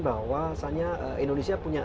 bahwasanya indonesia punya